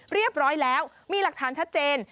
เรียบร้อยแล้วมีหลักฐานชัดเจน